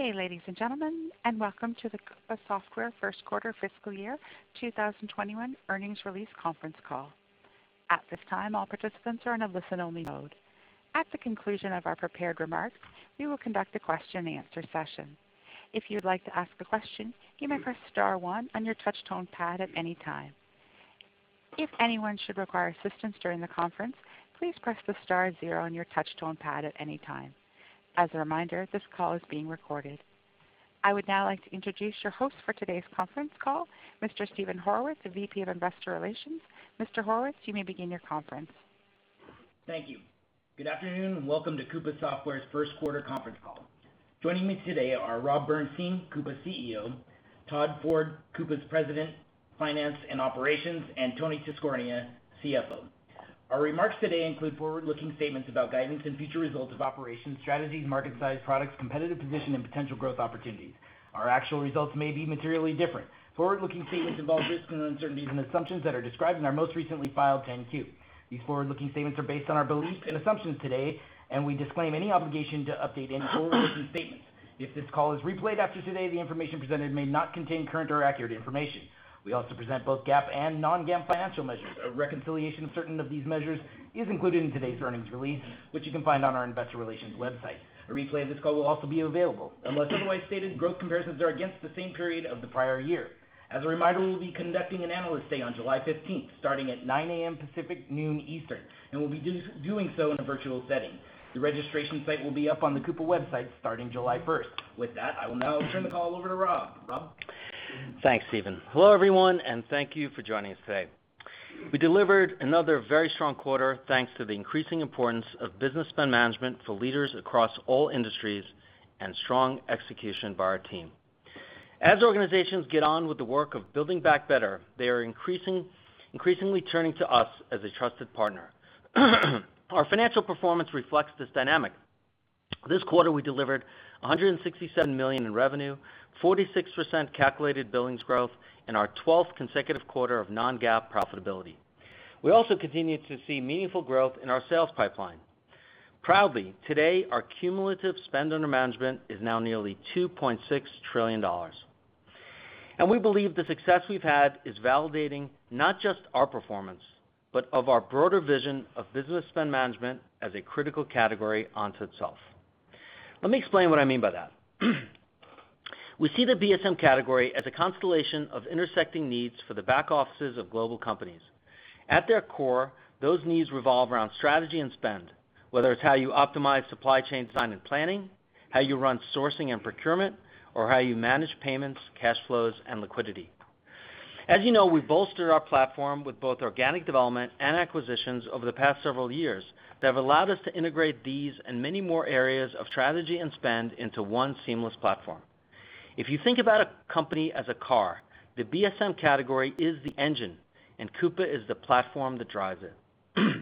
Good day, ladies and gentlemen, and welcome to the Coupa Software first quarter fiscal year 2021 earnings release conference call. I would now like to introduce your host for today's conference call, Mr. Steven Horwitz, the VP of Investor Relations. Mr. Horwitz, you may begin your conference. Thank you. Good afternoon, and welcome to Coupa Software's first quarter conference call. Joining me today are Rob Bernshteyn, Coupa CEO, Todd Ford, Coupa's President of Finance and Operations, and Tony Tiscornia, CFO.. Our remarks today include forward-looking statements about guidance and future results of operations, strategies, market size, products, competitive position, and potential growth opportunities. Our actual results may be materially different. Forward-looking statements involve risks and uncertainties and assumptions that are described in our most recently filed 10-Q. These forward-looking statements are based on our beliefs and assumptions today, and we disclaim any obligation to update any forward-looking statements. If this call is replayed after today, the information presented may not contain current or accurate information. We also present both GAAP and non-GAAP financial measures. A reconciliation of certain of these measures is included in today's earnings release, which you can find on our investor relations website. A replay of this call will also be available. Unless otherwise stated, growth comparisons are against the same period of the prior year. As a reminder, we'll be conducting an Analyst Day on July 15th, starting at 9:00 A.M. Pacific, 12:00 P.M. Eastern, and we'll be doing so in a virtual setting. The registration site will be up on the Coupa website starting July 1st. With that, I will now turn the call over to Rob. Rob? Thanks, Steven. Hello, everyone, and thank you for joining us today. We delivered another very strong quarter, thanks to the increasing importance of Business Spend Management for leaders across all industries, and strong execution by our team. As organizations get on with the work of building back better, they are increasingly turning to us as a trusted partner. Our financial performance reflects this dynamic. This quarter, we delivered $167 million in revenue, 46% calculated billings growth, and our 12th consecutive quarter of non-GAAP profitability. We also continue to see meaningful growth in our sales pipeline. Proudly, today, our cumulative spend under management is now nearly $2.6 trillion. We believe the success we've had is validating not just our performance, but of our broader vision of Business Spend Management as a critical category onto itself. Let me explain what I mean by that. We see the BSM category as a constellation of intersecting needs for the back offices of global companies. At their core, those needs revolve around strategy and spend, whether it's how you optimize supply chain design and planning, how you run sourcing and procurement, or how you manage payments, cash flows, and liquidity. As you know, we've bolstered our platform with both organic development and acquisitions over the past several years that have allowed us to integrate these and many more areas of strategy and spend into one seamless platform. If you think about a company as a car, the BSM category is the engine, and Coupa is the platform that drives it.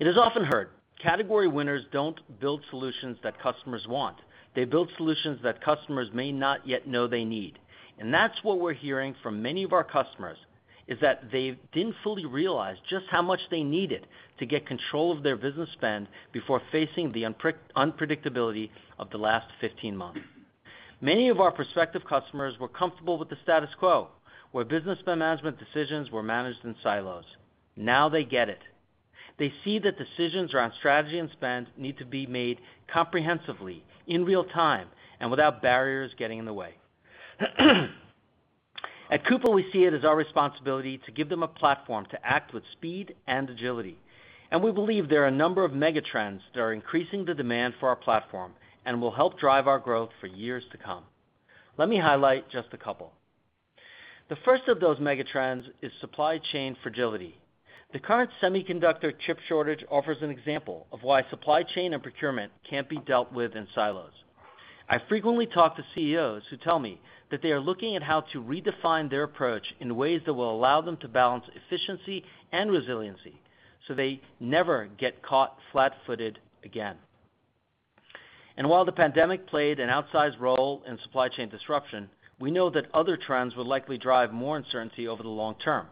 It is often heard, category winners don't build solutions that customers want. They build solutions that customers may not yet know they need. That's what we're hearing from many of our customers, is that they didn't fully realize just how much they needed to get control of their business spend before facing the unpredictability of the last 15 months. Many of our prospective customers were comfortable with the status quo, where Business Spend Management decisions were managed in silos. Now they get it. They see that decisions around strategy and spend need to be made comprehensively, in real time, and without barriers getting in the way. At Coupa, we see it as our responsibility to give them a platform to act with speed and agility, and we believe there are a number of mega trends that are increasing the demand for our platform and will help drive our growth for years to come. Let me highlight just a couple. The first of those mega trends is supply chain fragility. The current semiconductor chip shortage offers an example of why supply chain and procurement can't be dealt with in silos. I frequently talk to CEOs who tell me that they are looking at how to redefine their approach in ways that will allow them to balance efficiency and resiliency so they never get caught flat-footed again. While the pandemic played an outsized role in supply chain disruption, we know that other trends will likely drive more uncertainty over the long term.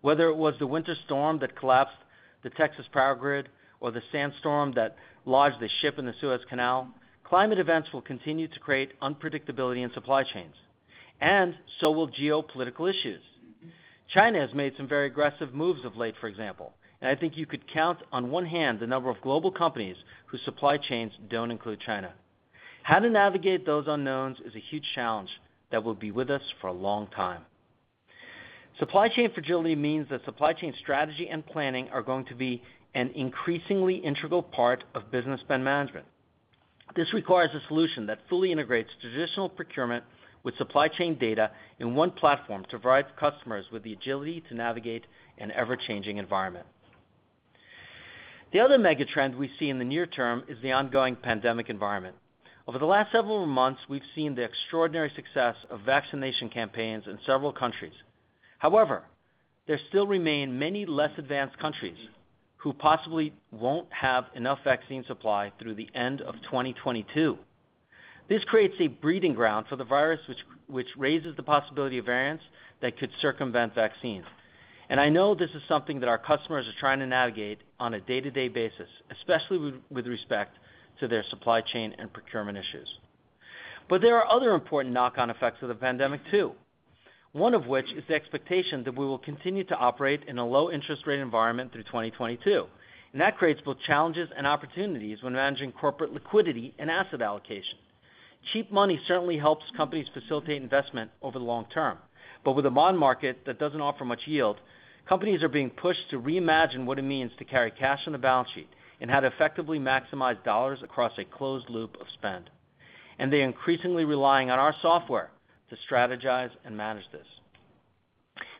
Whether it was the winter storm that collapsed the Texas power grid or the sandstorm that lodged a ship in the Suez Canal, climate events will continue to create unpredictability in supply chains, and so will geopolitical issues. China has made some very aggressive moves of late, for example, and I think you could count on one hand the number of global companies whose supply chains don't include China. How to navigate those unknowns is a huge challenge that will be with us for a long time. Supply chain fragility means that supply chain strategy and planning are going to be an increasingly integral part of Business Spend Management. This requires a solution that fully integrates traditional procurement with supply chain data in one platform to provide customers with the agility to navigate an ever-changing environment. The other mega trend we see in the near term is the ongoing pandemic environment. Over the last several months, we've seen the extraordinary success of vaccination campaigns in several countries. However, there still remain many less advanced countries who possibly won't have enough vaccine supply through the end of 2022. This creates a breeding ground for the virus, which raises the possibility of variants that could circumvent vaccines. I know this is something that our customers are trying to navigate on a day-to-day basis, especially with respect to their supply chain and procurement issues. But there are other important knock-on effects of the pandemic too. One of which is the expectation that we will continue to operate in a low interest rate environment through 2022. That creates both challenges and opportunities when managing corporate liquidity and asset allocation. Cheap money certainly helps companies facilitate investment over the long term. With a bond market that doesn't offer much yield, companies are being pushed to reimagine what it means to carry cash on a balance sheet, and how to effectively maximize dollars across a closed loop of spend. They're increasingly relying on our software to strategize and manage this.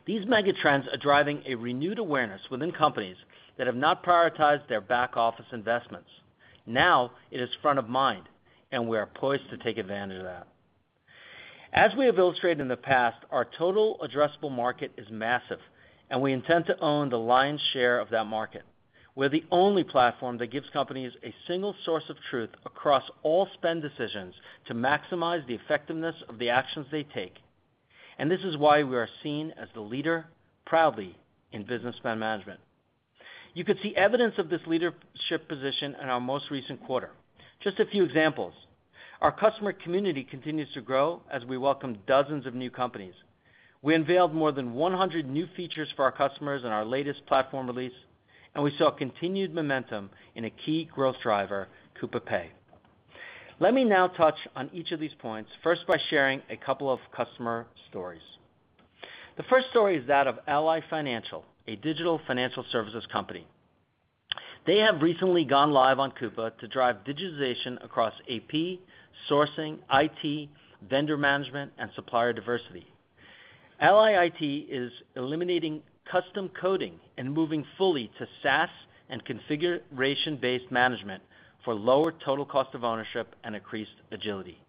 These mega trends are driving a renewed awareness within companies that have not prioritized their back-office investments. Now it is front of mind, and we are poised to take advantage of that. As we have illustrated in the past, our total addressable market is massive, and we intend to own the lion's share of that market. We're the only platform that gives companies a single source of truth across all spend decisions to maximize the effectiveness of the actions they take. This is why we are seen as the leader, proudly, in Business Spend Management. You could see evidence of this leadership position in our most recent quarter. Just a few examples. Our customer community continues to grow as we welcome dozens of new companies. We unveiled more than 100 new features for our customers in our latest platform release, and we saw continued momentum in a key growth driver, Coupa Pay. Let me now touch on each of these points, first by sharing a couple of customer stories. The first story is that of Ally Financial, a digital financial services company. They have recently gone live on Coupa to drive digitization across AP, sourcing, IT, vendor management, and supplier diversity. Ally IT is eliminating custom coding and moving fully to SaaS and configuration-based management for lower total cost of ownership and increased agility.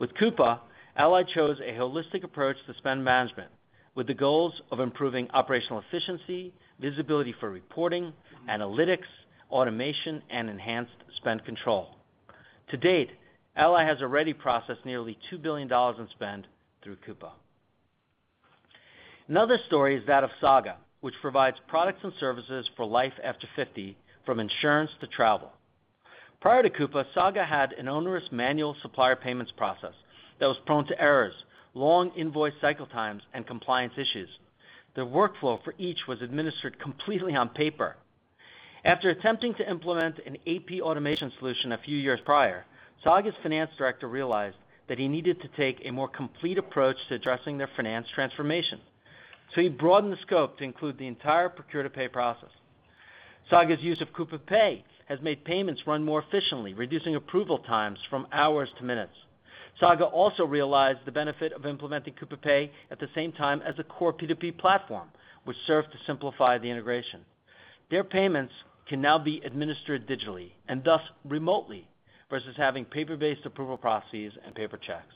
With Coupa, Ally chose a holistic approach to spend management with the goals of improving operational efficiency, visibility for reporting, analytics, automation, and enhanced spend control. To date, Ally has already processed nearly $2 billion in spend through Coupa. Another story is that of Saga, which provides products and services for life after 50, from insurance to travel. Prior to Coupa, Saga had an onerous manual supplier payments process that was prone to errors, long invoice cycle times, and compliance issues. The workflow for each was administered completely on paper. After attempting to implement an AP automation solution a few years prior, Saga's finance director realized that he needed to take a more complete approach to addressing their finance transformation. He broadened the scope to include the entire procure-to-pay process. Saga's use of Coupa Pay has made payments run more efficiently, reducing approval times from hours to minutes. Saga also realized the benefit of implementing Coupa Pay at the same time as a core P2P platform, which served to simplify the integration. Their payments can now be administered digitally, and thus remotely, versus having paper-based approval processes and paper checks.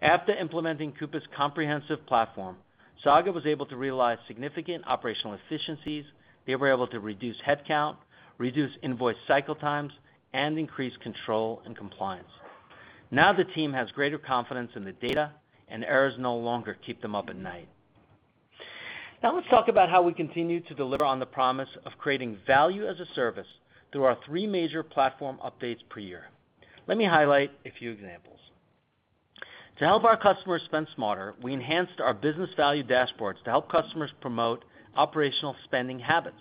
After implementing Coupa's comprehensive platform, Saga was able to realize significant operational efficiencies. They were able to reduce headcount, reduce invoice cycle times, and increase control and compliance. Now the team has greater confidence in the data, and errors no longer keep them up at night. Now let's talk about how we continue to deliver on the promise of creating value as a service through our three major platform updates per year. Let me highlight a few examples. To help our customers spend smarter, we enhanced our business value dashboards to help customers promote operational spending habits.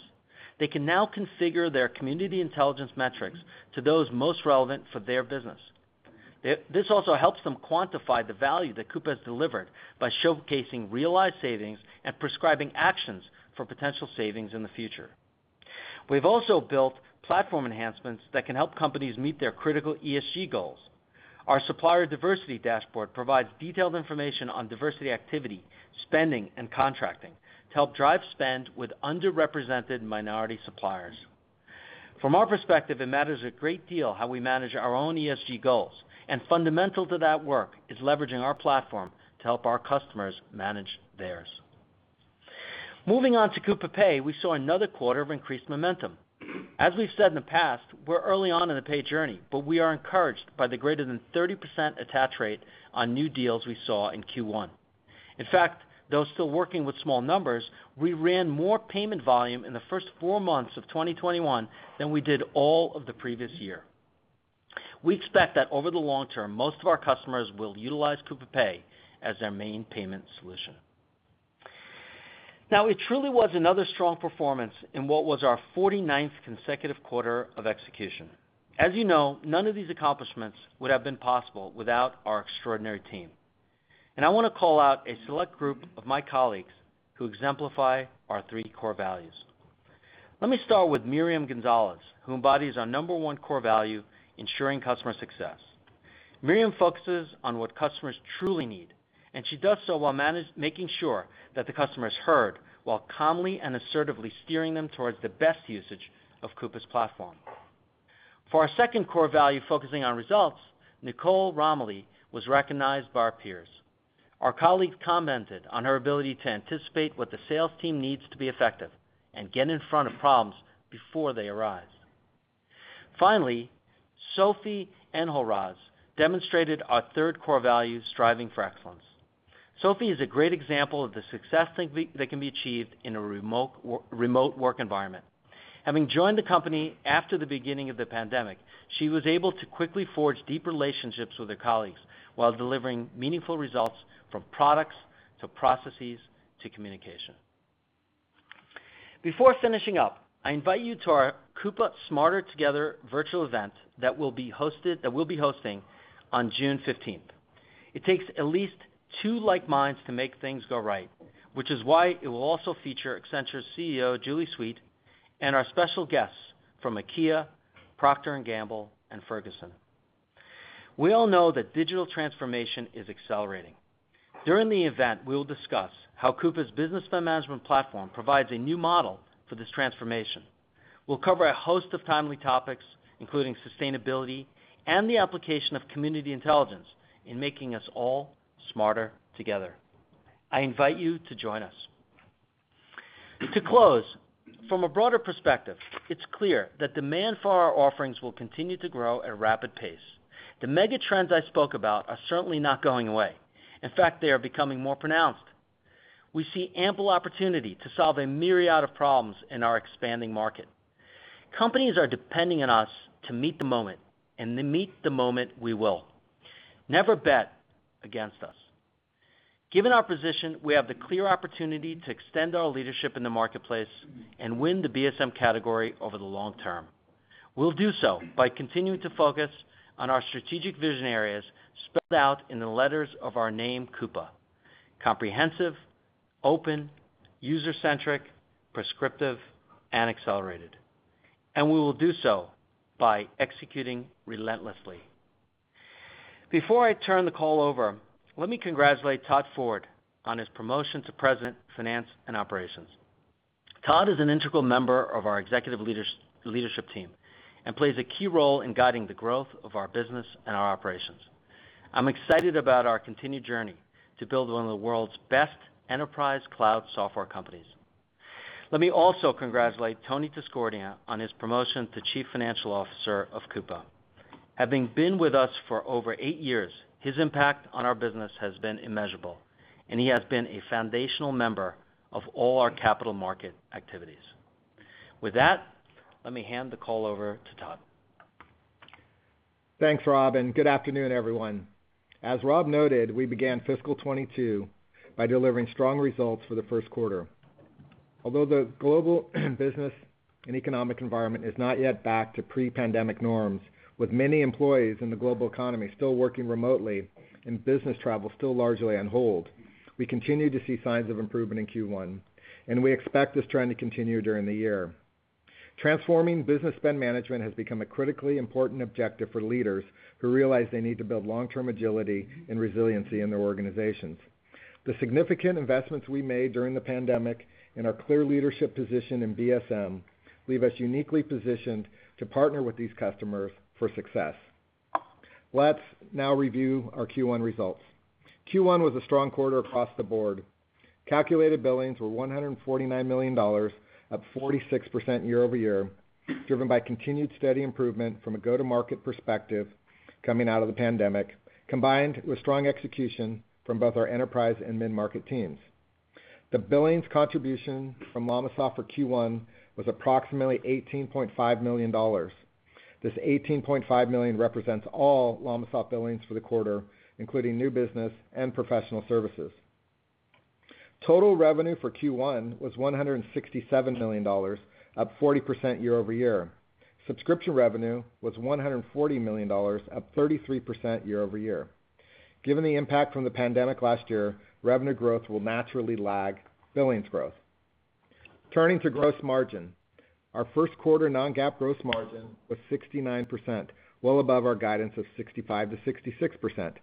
They can now configure their community intelligence metrics to those most relevant for their business. This also helps them quantify the value that Coupa's delivered by showcasing realized savings and prescribing actions for potential savings in the future. We've also built platform enhancements that can help companies meet their critical ESG goals. Our supplier diversity dashboard provides detailed information on diversity activity, spending, and contracting to help drive spend with underrepresented minority suppliers. From our perspective, it matters a great deal how we manage our own ESG goals, and fundamental to that work is leveraging our platform to help our customers manage theirs. Moving on to Coupa Pay, we saw another quarter of increased momentum. As we've said in the past, we're early on in the pay journey, but we are encouraged by the greater than 30% attach rate on new deals we saw in Q1. In fact, though still working with small numbers, we ran more payment volume in the first 4 months of 2021 than we did all of the previous year. We expect that over the long term, most of our customers will utilize Coupa Pay as their main payment solution. Now it truly was another strong performance in what was our 49th consecutive quarter of execution. As you know, none of these accomplishments would have been possible without our extraordinary team. I want to call out a select group of my colleagues who exemplify our three core values. Let me start with Miriam Gonzalez, who embodies our number 1 core value, ensuring customer success. Miriam focuses on what customers truly need, and she does so while making sure that the customer is heard while calmly and assertively steering them towards the best usage of Coupa's platform. For our second core value, focusing on results, Nicole Romoli was recognized by our peers. Our colleague commented on her ability to anticipate what the sales team needs to be effective and get in front of problems before they arise. Finally, Sophie Enhoraz demonstrated our third core value, striving for excellence. Sophie is a great example of the success that can be achieved in a remote work environment. Having joined the company after the beginning of the pandemic, she was able to quickly forge deep relationships with her colleagues while delivering meaningful results from products to processes to communication. Before finishing up, I invite you to our Coupa Smarter Together virtual event that we'll be hosting on June 15th. It takes at least two like minds to make things go right, which is why it will also feature Accenture's CEO, Julie Sweet, and our special guests from IKEA, Procter & Gamble, and Ferguson. We all know that digital transformation is accelerating. During the event, we'll discuss how Coupa's business management platform provides a new model for this transformation. We'll cover a host of timely topics, including sustainability and the application of community intelligence in making us all Smarter Together. I invite you to join us. To close, from a broader perspective, it's clear that demand for our offerings will continue to grow at a rapid pace. The mega trends I spoke about are certainly not going away. In fact, they are becoming more pronounced. We see ample opportunity to solve a myriad of problems in our expanding market. Companies are depending on us to meet the moment, and meet the moment we will. Never bet against us. Given our position, we have the clear opportunity to extend our leadership in the marketplace and win the BSM category over the long term. We'll do so by continuing to focus on our strategic vision areas spelled out in the letters of our name, Coupa: comprehensive, open, user-centric, prescriptive, and accelerated. We will do so by executing relentlessly. Before I turn the call over, let me congratulate Todd Ford on his promotion to President of Finance and Operations. Todd is an integral member of our executive leadership team and plays a key role in guiding the growth of our business and our operations. I'm excited about our continued journey to build one of the world's best enterprise cloud software companies. Let me also congratulate Tony Tiscornia on his promotion to Chief Financial Officer of Coupa. Having been with us for over eight years, his impact on our business has been immeasurable, and he has been a foundational member of all our capital market activities. With that, let me hand the call over to Todd. Thanks, Rob, and good afternoon, everyone. As Rob noted, we began fiscal 2022 by delivering strong results for the first quarter. Although the global business and economic environment is not yet back to pre-pandemic norms, with many employees in the global economy still working remotely and business travel still largely on hold, we continue to see signs of improvement in Q1, and we expect this trend to continue during the year. Transforming Business Spend Management has become a critically important objective for leaders who realize they need to build long-term agility and resiliency in their organizations. The significant investments we made during the pandemic and our clear leadership position in BSM leave us uniquely positioned to partner with these customers for success. Let's now review our Q1 results. Q1 was a strong quarter across the board. Calculated billings were $149 million, up 46% year-over-year, driven by continued steady improvement from a go-to-market perspective coming out of the pandemic, combined with strong execution from both our enterprise and mid-market teams. The billings contribution from LLamasoft for Q1 was approximately $18.5 million. This $18.5 million represents all LLamasoft billings for the quarter, including new business and professional services. Total revenue for Q1 was $167 million, up 40% year-over-year. Subscription revenue was $140 million, up 33% year-over-year. Given the impact from the pandemic last year, revenue growth will naturally lag billings growth. Turning to gross margin, our first quarter non-GAAP gross margin was 69%, well above our guidance of 65%-66%,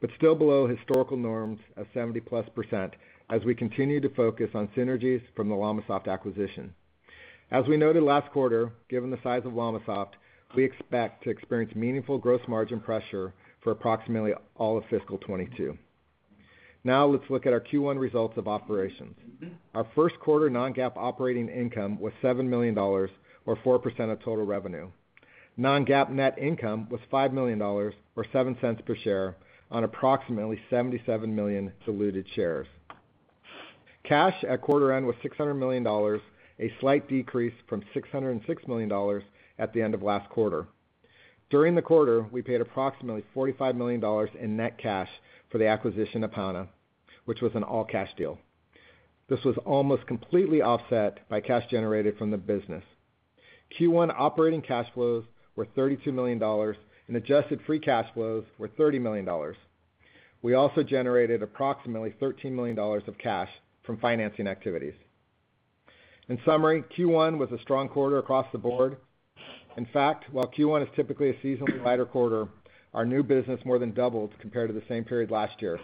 but still below historical norms of 70%+ as we continue to focus on synergies from the LLamasoft acquisition. As we noted last quarter, given the size of LLamasoft, we expect to experience meaningful gross margin pressure for approximately all of fiscal 2022. Let's look at our Q1 results of operations. Our first quarter non-GAAP operating income was $7 million, or 4% of total revenue. Non-GAAP net income was $5 million, or 7 cents per share on approximately 77 million diluted shares. Cash at quarter end was $600 million, a slight decrease from $606 million at the end of last quarter. During the quarter, we paid approximately $45 million in net cash for the acquisition of Pana, which was an all-cash deal. This was almost completely offset by cash generated from the business. Q1 operating cash flows were $32 million, adjusted free cash flows were $30 million. We also generated approximately $13 million of cash from financing activities. Q1 was a strong quarter across the board. While Q1 is typically a seasonally lighter quarter, our new business more than doubled compared to the same period last year.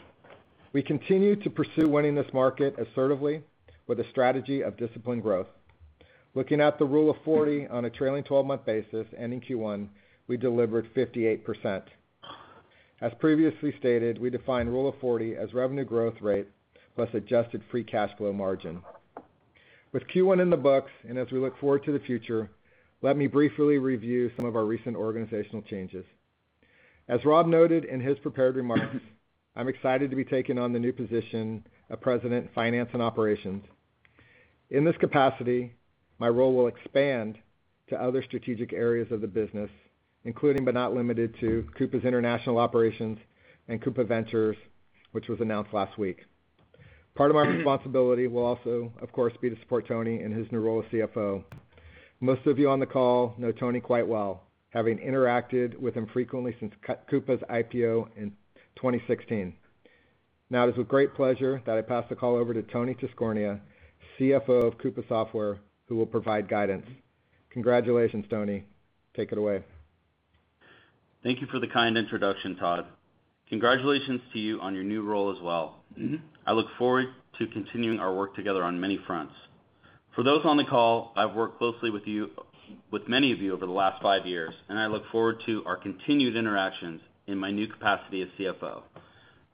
We continue to pursue winning this market assertively with a strategy of disciplined growth. Looking at the rule of 40 on a trailing 12-month basis ending Q1, we delivered 58%. As previously stated, we define rule of 40 as revenue growth rate plus adjusted free cash flow margin. With Q1 in the books, as we look forward to the future, let me briefly review some of our recent organizational changes. As Rob noted in his prepared remarks, I'm excited to be taking on the new position of President of Finance and Operations. In this capacity, my role will expand to other strategic areas of the business, including but not limited to Coupa's international operations and Coupa Ventures, which was announced last week. Part of my responsibility will also, of course, be to support Tony in his new role as CFO. Most of you on the call know Tony quite well, having interacted with him frequently since Coupa's IPO in 2016. Now it is with great pleasure that I pass the call over to Tony Tiscornia, CFO of Coupa Software, who will provide guidance. Congratulations, Tony. Take it away. Thank you for the kind introduction, Todd. Congratulations to you on your new role as well. I look forward to continuing our work together on many fronts. For those on the call, I've worked closely with many of you over the last five years, and I look forward to our continued interactions in my new capacity as CFO.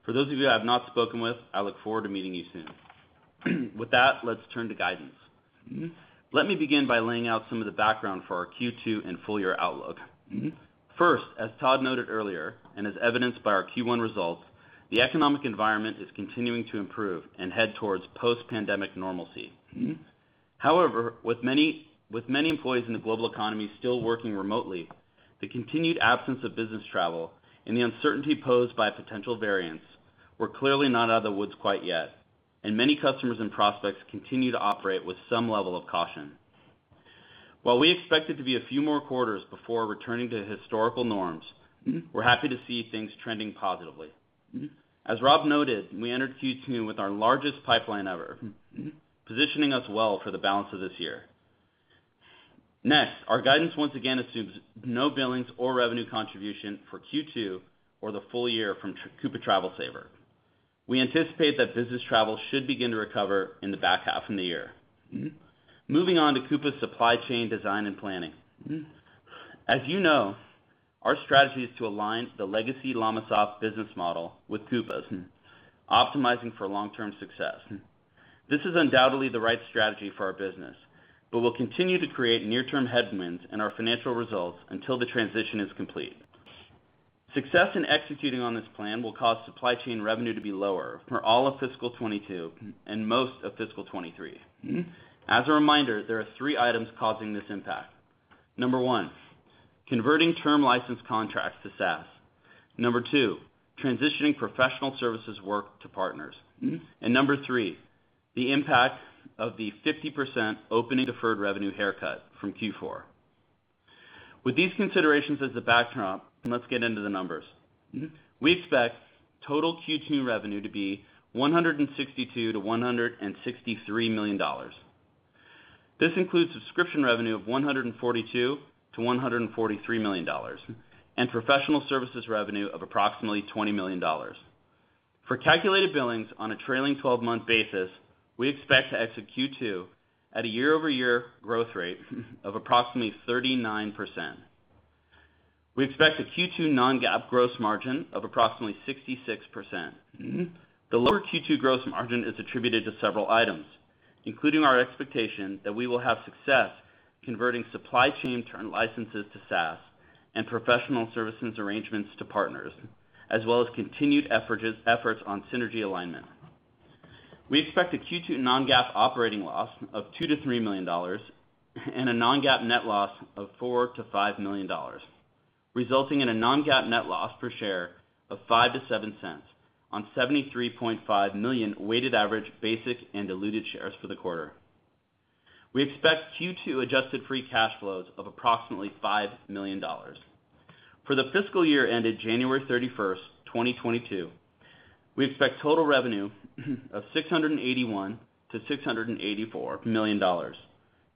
For those of you I have not spoken with, I look forward to meeting you soon. With that, let's turn to guidance. Let me begin by laying out some of the background for our Q2 and full-year outlook. First, as Todd noted earlier, and as evidenced by our Q1 results, the economic environment is continuing to improve and head towards post-pandemic normalcy. With many employees in the global economy still working remotely, the continued absence of business travel, and the uncertainty posed by potential variants, we're clearly not out of the woods quite yet, and many customers and prospects continue to operate with some level of caution. We expect it to be a few more quarters before returning to historical norms, we're happy to see things trending positively. As Rob noted, we entered Q2 with our largest pipeline ever, positioning us well for the balance of this year. Our guidance once again assumes no billings or revenue contribution for Q2 or the full year from Coupa Travel & Expense. We anticipate that business travel should begin to recover in the back half of the year. Moving on to Coupa Supply Chain Design & Planning. As you know, our strategy is to align the legacy LLamasoft business model with Coupa's, optimizing for long-term success. This is undoubtedly the right strategy for our business, but we'll continue to create near-term headwinds in our financial results until the transition is complete. Success in executing on this plan will cause supply chain revenue to be lower for all of fiscal 2022 and most of fiscal 2023. As a reminder, there are three items causing this impact. Number 1, converting term license contracts to SaaS. Number 2, transitioning professional services work to partners. Number 3, the impact of the 50% opening deferred revenue haircut from Q4. With these considerations as the backdrop, let's get into the numbers. We expect total Q2 revenue to be $162 million-$163 million. This includes subscription revenue of $142 million-$143 million, and professional services revenue of approximately $20 million. For calculated billings on a trailing 12-month basis, we expect to exit Q2 at a year-over-year growth rate of approximately 39%. We expect a Q2 non-GAAP gross margin of approximately 66%. The lower Q2 gross margin is attributed to several items, including our expectation that we will have success converting supply chain term licenses to SaaS and professional services arrangements to partners, as well as continued efforts on synergy alignment. We expect a Q2 non-GAAP operating loss of $2 million-$3 million, and a non-GAAP net loss of $4 million-$5 million, resulting in a non-GAAP net loss per share of 5 cents-7 cents on 73.5 million weighted average basic and diluted shares for the quarter. We expect Q2 adjusted free cash flows of approximately $5 million. For the fiscal year ended January 31, 2022, we expect total revenue of $681 million-$684 million.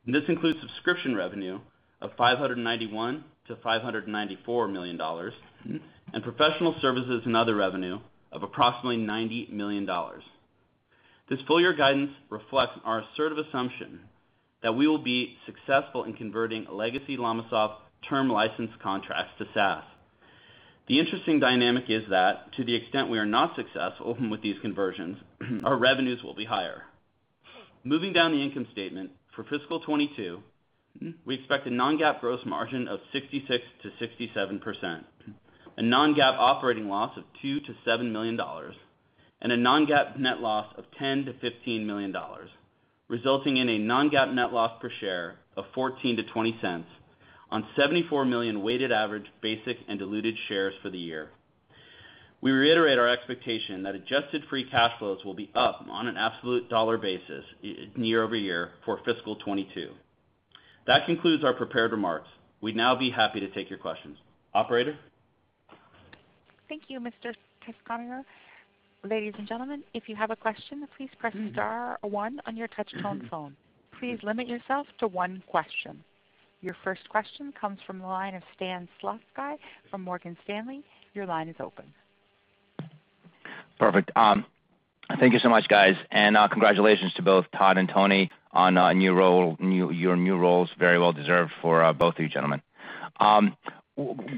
This includes subscription revenue of $591 million-$594 million, and professional services and other revenue of approximately $90 million. This full year guidance reflects our assertive assumption that we will be successful in converting legacy LLamasoft term license contracts to SaaS. The interesting dynamic is that to the extent we are not successful with these conversions, our revenues will be higher. Moving down the income statement, for fiscal 2022, we expect a non-GAAP gross margin of 66%-67%, a non-GAAP operating loss of $2 million-$7 million, and a non-GAAP net loss of $10 million-$15 million, resulting in a non-GAAP net loss per share of 14 cents-20 cents on 74 million weighted average basic and diluted shares for the year. We reiterate our expectation that adjusted free cash flows will be up on an absolute dollar basis year-over-year for fiscal 2022. That concludes our prepared remarks. We'd now be happy to take your questions. Operator? Thank you, Mr. Tiscornia. Your first question comes from the line of Stan Zlotsky from Morgan Stanley. Your line is open. Perfect. Thank you so much, guys. Congratulations to both Todd and Tony on your new roles. Very well deserved for both of you, gentlemen.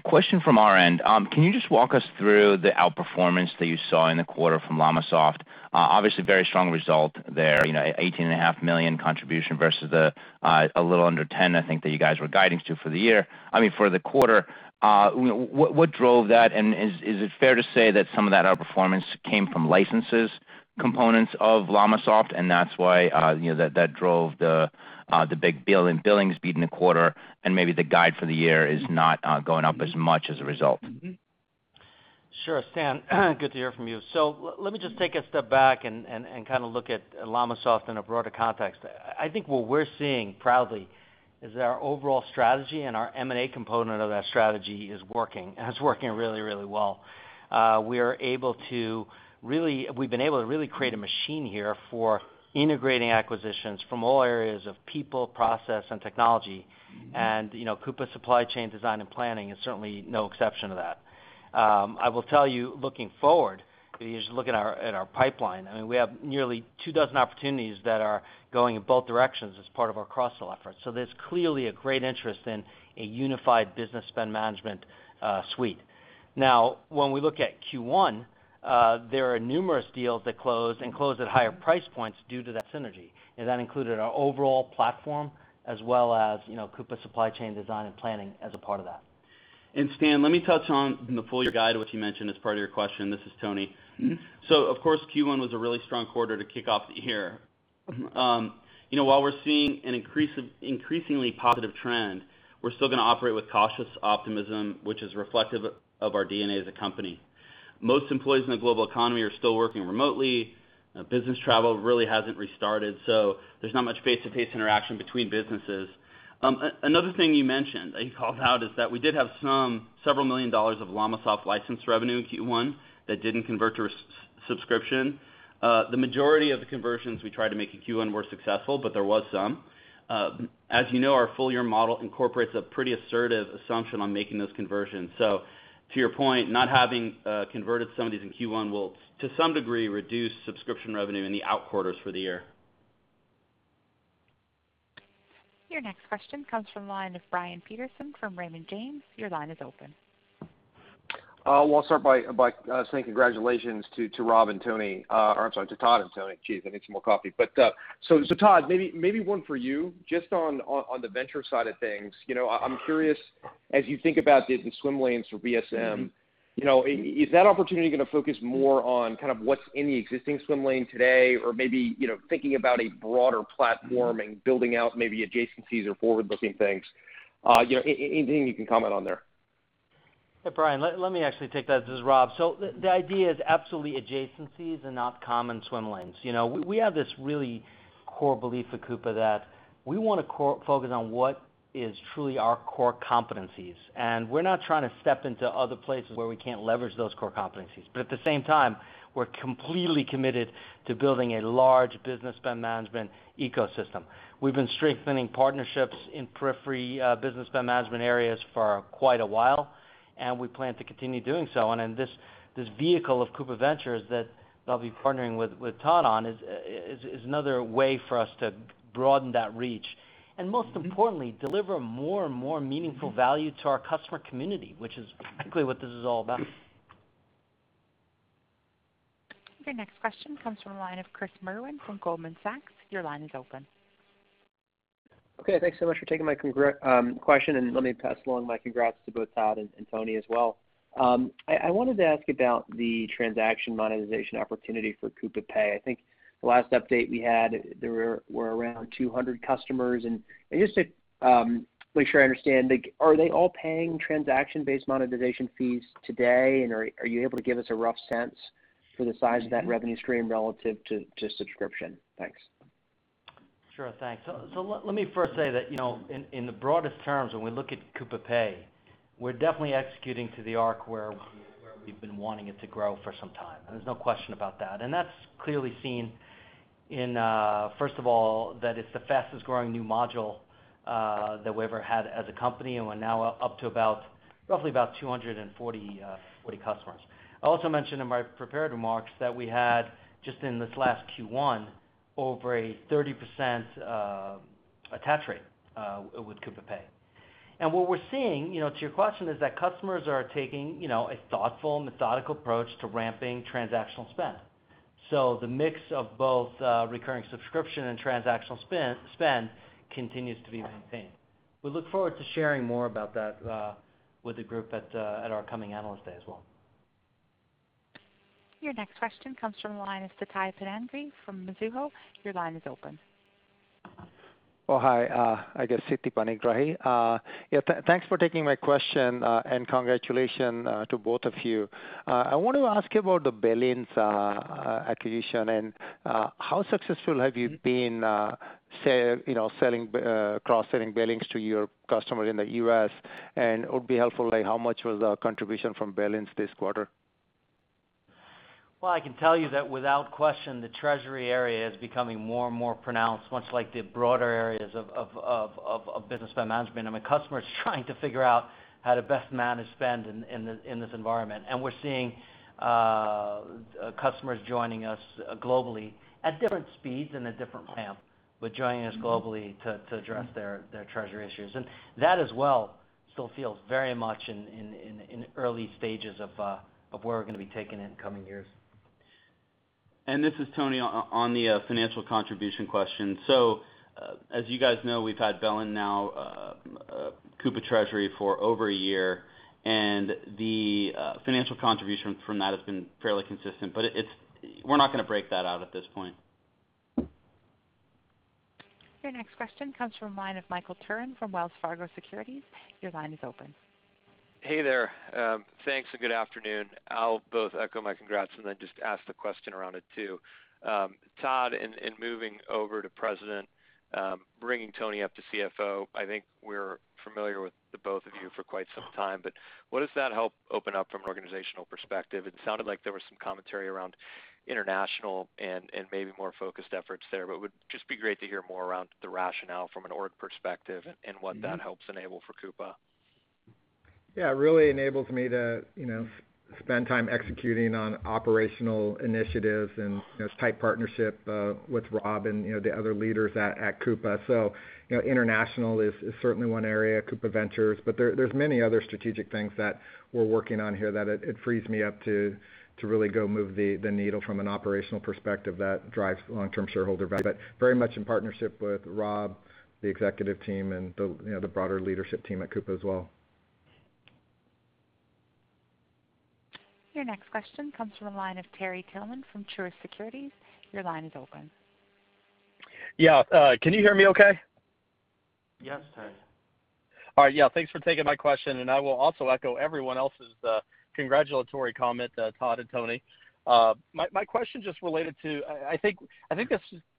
Question from our end. Can you just walk us through the outperformance that you saw in the quarter from LLamasoft? Obviously, a very strong result there, $18.5 million contribution versus a little under $10 million, I think that you guys were guiding to for the quarter. What drove that, and is it fair to say that some of that outperformance came from licenses components of LLamasoft, and that's why that drove the big billings beat in the quarter, and maybe the guide for the year is not going up as much as a result? Sure, Stan. Good to hear from you. Let me just take a step back and look at LLamasoft in a broader context. I think what we're seeing proudly is our overall strategy and our M&A component of that strategy is working, and it's working really, really well. We've been able to really create a machine here for integrating acquisitions from all areas of people, process, and technology. Coupa Supply Chain Design & Planning is certainly no exception to that. I will tell you, looking forward, if you just look at our pipeline, we have nearly 2 dozen opportunities that are going in both directions as part of our cross-sell effort. There's clearly a great interest in a unified Business Spend Management suite. Now, when we look at Q1, there are numerous deals that closed and closed at higher price points due to that synergy. That included our overall platform as well as Coupa Supply Chain Design & Planning as a part of that. Stan, let me touch on the full-year guide, which you mentioned as part of your question. This is Tony. Of course, Q1 was a really strong quarter to kick off the year. While we're seeing an increasingly positive trend, we're still going to operate with cautious optimism, which is reflective of our DNA as a company. Most employees in the global economy are still working remotely. Business travel really hasn't restarted, so there's not much face-to-face interaction between businesses. Another thing you mentioned, that you called out, is that we did have several million of dollars LLamasoft license revenue in Q1 that didn't convert to subscription. The majority of the conversions we tried to make in Q1 were successful, but there was some. As you know, our full-year model incorporates a pretty assertive assumption on making those conversions. To your point, not having converted some of these in Q1 will, to some degree, reduce subscription revenue in the out quarters for the year. Your next question comes from the line of Brian Peterson from Raymond James. Your line is open. I'll start by saying congratulations to Rob and Tony. Sorry, to Todd and Tony. Geez, I need some more coffee. Todd, maybe one for you. Just on the venture side of things, I'm curious, as you think about getting swim lanes for BSM, is that opportunity going to focus more on what's in the existing swim lane today or maybe thinking about a broader platform and building out maybe adjacencies or forward-looking things? Anything you can comment on there. Brian, let me actually take that. This is Rob. The idea is absolutely adjacencies and not common swim lanes. We have this really core belief at Coupa that we want to focus on what is truly our core competencies. We're not trying to step into other places where we can't leverage those core competencies. But at the same time, we're completely committed to building a large Business Spend Management ecosystem. We've been strengthening partnerships in periphery Business Spend Management areas for quite a while, and we plan to continue doing so. This vehicle of Coupa Ventures that they'll be partnering with Todd on is another way for us to broaden that reach, and most importantly, deliver more and more meaningful value to our customer community, which is exactly what this is all about. The next question comes from the line of Chris Merwin from Goldman Sachs. Your line is open. Okay, thanks so much for taking my question, and let me pass along my congrats to both Todd and Tony as well. I wanted to ask about the transaction monetization opportunity for Coupa Pay. I think the last update we had, there were around 200 customers. Just to make sure I understand, are they all paying transaction-based monetization fees today? Are you able to give us a rough sense for the size of that revenue stream relative to subscription? Thanks. Sure, thanks. Let me first say that in the broadest terms, when we look at Coupa Pay, we're definitely executing to the arc where we've been wanting it to grow for some time, and there's no question about that. That's clearly seen in, first of all, that it's the fastest-growing new module that we ever had as a company. We're now up to about roughly 240 customers. I also mentioned in my prepared remarks that we had just in this last Q1, over a 30% attach rate with Coupa Pay. What we're seeing, to your question, is that customers are taking a thoughtful and methodical approach to ramping transactional spend. The mix of both recurring subscription and transactional spend continues to be one theme. We look forward to sharing more about that with the group at our coming Analyst Day as well. Your next question comes from the line of Siti Panigrahi from Mizuho. Your line is open. Oh, hi. I guess Siti Panigrahi. Yeah, thanks for taking my question, and congratulations to both of you. I wanted to ask you about the BELLIN acquisition, and how successful have you been cross-selling BELLIN to your customers in the U.S.? It would be helpful, how much was the contribution from BELLIN this quarter? Well, I can tell you that without question, the treasury area is becoming more and more pronounced, much like the broader areas of Business Spend Management. The customer is trying to figure out how to best manage spend in this environment. We're seeing customers joining us globally at different speeds and at different ramps, but joining us globally to address their treasury issues. That as well still feels very much in early stages of where we're going to be taking it in coming years. This is Tony on the financial contribution question. As you guys know, we've had BELLIN now Coupa Treasury for over a year, and the financial contributions from that has been fairly consistent. We're not going to break that out at this point. Your next question comes from the line of Michael Turrin from Wells Fargo Securities. Your line is open. Hey there. Thanks, and good afternoon. I'll both echo my congrats and then just ask the question around it too. Todd, in moving over to President, bringing Tony up to CFO, I think we're familiar with the both of you for quite some time, but what does that help open up from an organizational perspective? It sounded like there was some commentary around international and maybe more focused efforts there, but would just be great to hear more around the rationale from an org perspective and what that helps enable for Coupa. Yeah, it really enables me to spend time executing on operational initiatives and tight partnership with Rob and the other leaders at Coupa. International is certainly one area, Coupa Ventures, but there's many other strategic things that we're working on here that it frees me up to really go move the needle from an operational perspective that drives long-term shareholder value. Very much in partnership with Rob, the executive team, and the broader leadership team at Coupa as well. Your next question comes from the line of Terry Tillman from Truist Securities. Your line is open. Yeah. Can you hear me okay? Yes, sir. All right. Yeah, thanks for taking my question, and I will also echo everyone else's congratulatory comment, Todd Ford and Tony Tiscornia. My question just related to, I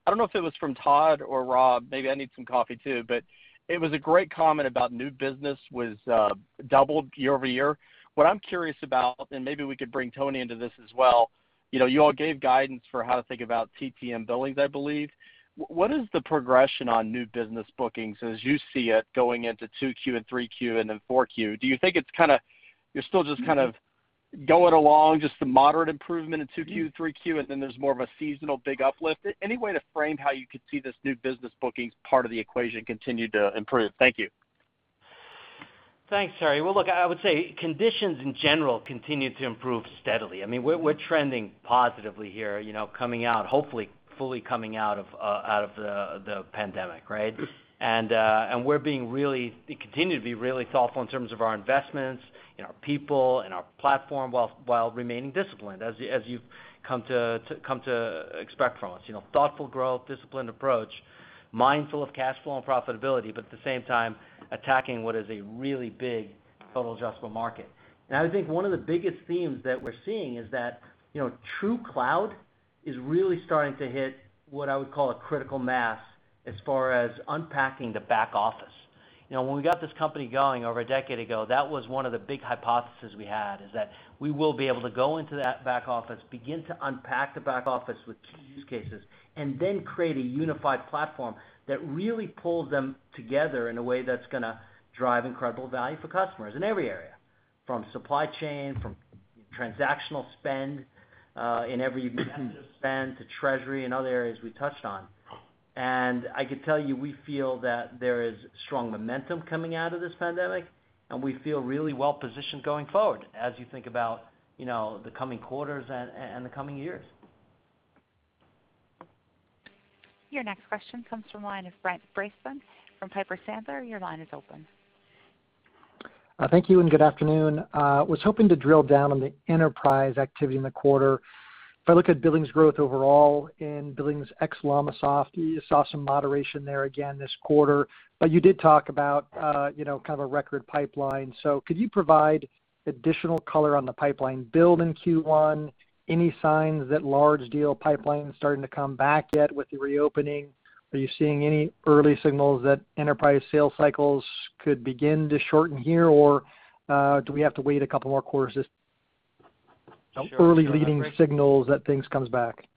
don't know if it was from Todd Ford or Rob Bernshteyn, maybe I need some coffee too, but it was a great comment about new business was doubled year-over-year. What I'm curious about, and maybe we could bring Tony Tiscornia into this as well, you all gave guidance for how to think about TTM billings, I believe. What is the progression on new business bookings as you see it going into Q2 and Q3 and then Q4? Do you think you're still just kind of going along, just a moderate improvement in Q2, Q3, and then there's more of a seasonal big uplift? Any way to frame how you could see this new business bookings part of the equation continue to improve? Thank you. Thanks, Terry. Well, look, I would say conditions in general continue to improve steadily. I mean, we're trending positively here, hopefully fully coming out of the pandemic, right? We continue to be really thoughtful in terms of our investments, in our people, in our platform, while remaining disciplined as you've come to expect from us. Thoughtful growth, disciplined approach, mindful of cash flow and profitability, at the same time attacking what is a really big total addressable market. I think one of the biggest themes that we're seeing is that true cloud is really starting to hit what I would call a critical mass as far as unpacking the back office. When we got this company going over a decade ago, that was one of the big hypothesis we had, is that we will be able to go into that back office, begin to unpack the back office with key use cases, and then create a unified platform that really pulls them together in a way that's going to drive incredible value for customers in every area. From supply chain, from transactional spend, in every business spend, to treasury and other areas we touched on. I can tell you, we feel that there is strong momentum coming out of this pandemic, and we feel really well-positioned going forward as you think about the coming quarters and the coming years. Your next question comes from the line of Brent Bracelin from Piper Sandler. Your line is open. Thank you. Good afternoon. I was hoping to drill down on the enterprise activity in the quarter. If I look at billings growth overall and billings ex-LLamasoft, you saw some moderation there again this quarter. You did talk about kind of a record pipeline. Could you provide additional color on the pipeline build in Q1? Any signs that large deal pipeline starting to come back yet with the reopening? Are you seeing any early signals that enterprise sales cycles could begin to shorten here? Do we have to wait a couple more quarters to see early leading signals that things comes back?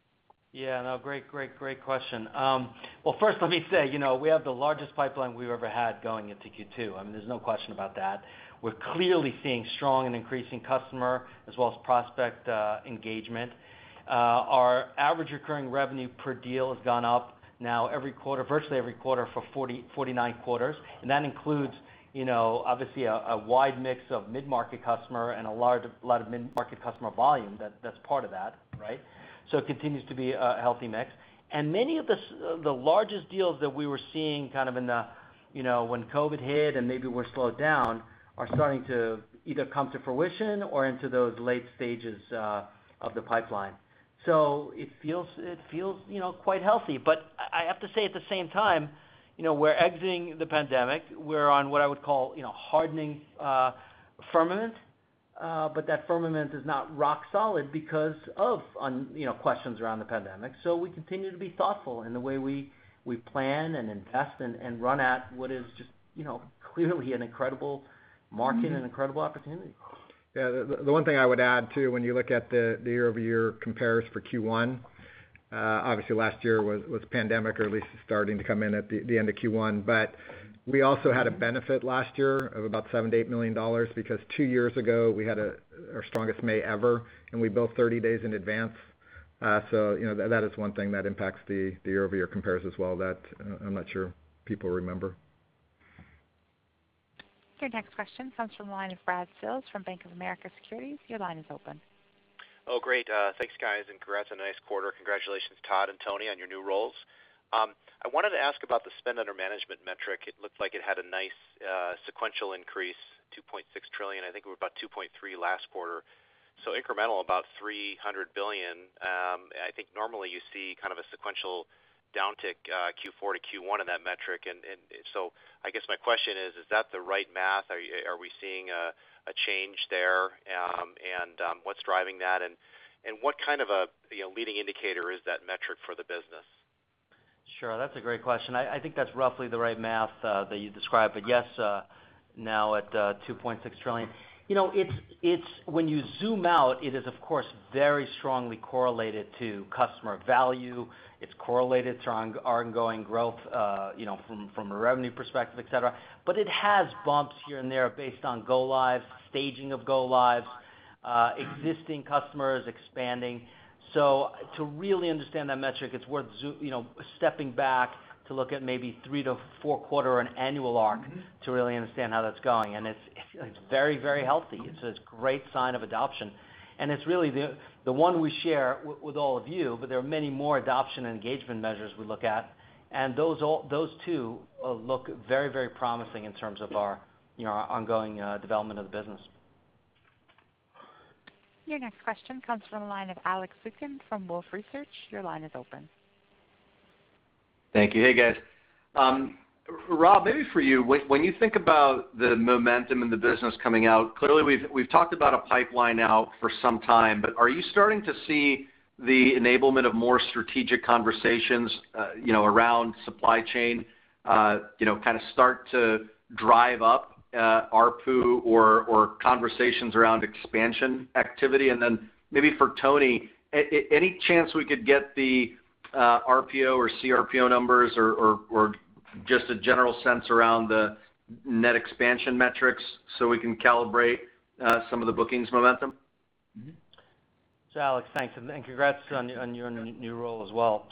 Yeah, no, great question. Well, first let me say, we have the largest pipeline we've ever had going into Q2. I mean, there's no question about that. We're clearly seeing strong and increasing customer as well as prospect engagement. Our average recurring revenue per deal has gone up now every quarter, virtually every quarter for 49 quarters. That includes obviously a wide mix of mid-market customer and a lot of mid-market customer volume. That's part of that, right? It continues to be a healthy mix. Many of the largest deals that we were seeing when COVID hit and maybe were slowed down are starting to either come to fruition or into those late stages of the pipeline. It feels quite healthy. I have to say at the same time, we're exiting the pandemic. We're on what I would call hardening firmament. That firmament is not rock solid because of questions around the pandemic. We continue to be thoughtful in the way we plan and invest and run at what is just clearly an incredible market and an incredible opportunity. Yeah, the one thing I would add, too, when you look at the year-over-year comparison for Q1, obviously last year was pandemic or at least starting to come in at the end of Q1. We also had a benefit last year of about $7 million-$8 million because two years ago, we had our strongest May ever, and we built 30 days in advance. That is one thing that impacts the year-over-year comparison as well that I'm not sure people remember. Your next question comes from the line of Brad Sills from Bank of America Securities. Your line is open. Oh, great. Thanks, guys, and congrats on a nice quarter. Congratulations, Todd and Tony, on your new roles. I wanted to ask about the spend under management metric. It looks like it had a nice sequential increase, $2.6 trillion. I think we're about $2.3 last quarter, so incremental about $300 billion. I think normally you see a sequential downtick Q4 to Q1 in that metric. I guess my question is that the right math? Are we seeing a change there? And what's driving that, and what kind of a leading indicator is that metric for the business? Sure. That's a great question. I think that's roughly the right math that you described. Yes, now at $2.6 trillion. When you zoom out, it is of course very strongly correlated to customer value. It's correlated to ongoing growth, from a revenue perspective, et cetera. It has bumps here and there based on go lives, staging of go lives, existing customers expanding. To really understand that metric, it's worth stepping back to look at maybe 3 to 4 quarter and annual arc to really understand how that's going. It's very healthy. It's a great sign of adoption, and it's really the one we share with all of you. There are many more adoption and engagement measures we look at. Those two look very promising in terms of our ongoing development of the business. Your next question comes from the line of Alex Zukin from Wolfe Research. Your line is open. Thank you. Hey, guys. Rob, maybe for you, when you think about the momentum in the business coming out, clearly we've talked about a pipeline out for some time, are you starting to see the enablement of more strategic conversations around supply chain start to drive up ARPU or conversations around expansion activity? Maybe for Tony, any chance we could get the RPO or CRPO numbers or just a general sense around the net expansion metrics so we can calibrate some of the bookings momentum? Alex, thanks, and congrats on your new role as well.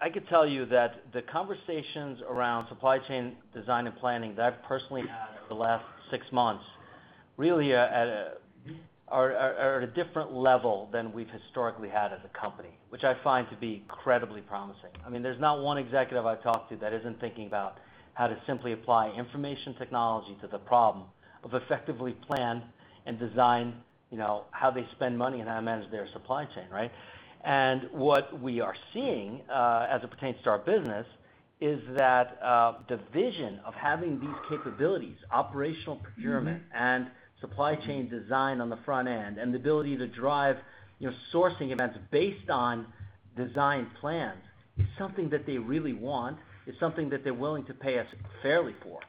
I could tell you that the conversations around supply chain design and planning that I've personally had over the last six months really are at a different level than we've historically had as a company, which I find to be incredibly promising. There's not one executive I've talked to that isn't thinking about how to simply apply information technology to the problem of effectively plan and design how they spend money and how to manage their supply chain, right? What we are seeing, as it pertains to our business, is that the vision of having these capabilities, operational procurement and supply chain design on the front end, and the ability to drive sourcing events based on design plans, is something that they really want. It's something that they're willing to pay us fairly for.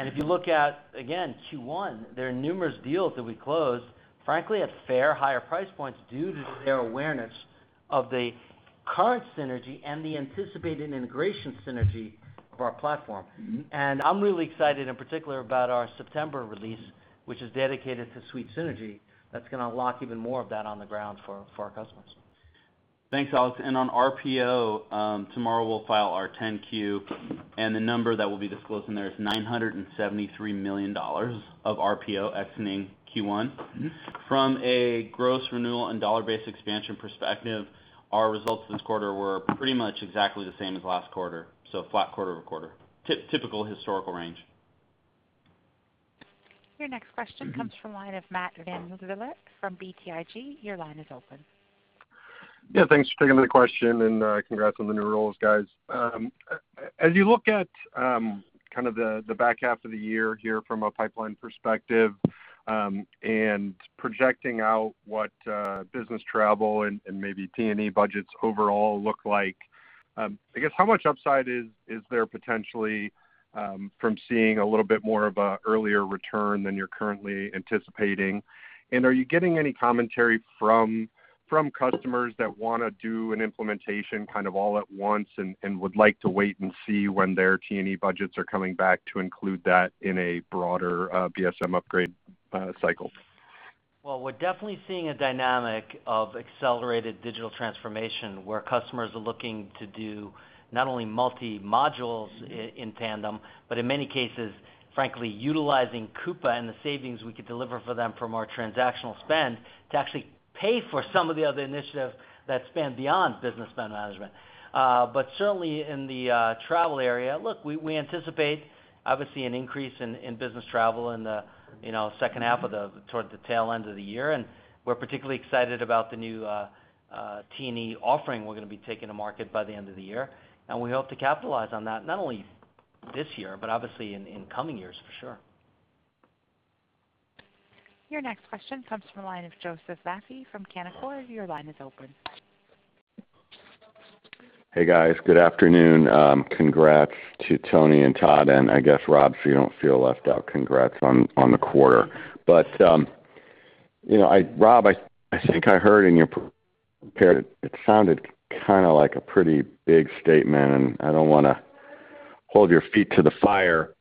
If you look at, again, Q1, there are numerous deals that we closed, frankly, at far higher price points due to their awareness of the current synergy and the anticipated integration synergy of our platform. I'm really excited in particular about our September release, which is dedicated to suite synergy. That's going to unlock even more of that on the ground for our customers. Thanks, Alex. On RPO, tomorrow we'll file our 10-Q. The number that we'll be disclosing there is $973 million of RPO exiting Q1. From a gross renewal and dollar-based expansion perspective, our results this quarter were pretty much exactly the same as last quarter. Flat quarter-over-quarter. Typical historical range. Your next question comes from the line of Matt VanVliet from BTIG. Your line is open. Yeah, thanks for taking the question, and congrats on the new roles, guys. As you look at the back half of the year here from a pipeline perspective, and projecting out what business travel and maybe T&E budgets overall look like, I guess how much upside is there potentially from seeing a little bit more of an earlier return than you're currently anticipating? Are you getting any commentary from customers that want to do an implementation all at once and would like to wait and see when their T&E budgets are coming back to include that in a broader BSM upgrade cycle? Well, we're definitely seeing a dynamic of accelerated digital transformation, where customers are looking to do not only multi-modules in tandem, but in many cases, frankly, utilizing Coupa and the savings we can deliver for them from our transactional spend to actually pay for some of the other initiatives that span beyond Business Spend Management. Certainly in the travel area, look, we anticipate obviously an increase in business travel in the second half towards the tail end of the year. We're particularly excited about the new T&E offering we're going to be taking to market by the end of the year. We hope to capitalize on that not only this year, but obviously in coming years for sure. Your next question comes from the line of Joseph Vafi from Canaccord. Your line is open. Hey, guys. Good afternoon. Congrats to Tony and Todd, and I guess Rob, so you don't feel left out, congrats on the quarter. Rob, I think I heard in your prepared, it sounded like a pretty big statement, and I don't want to hold your feet to the fire.